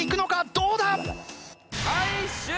どうだ！？